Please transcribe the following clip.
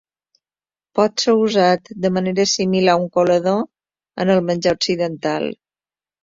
Pot ser usat de manera similar a un colador en el menjar occidental.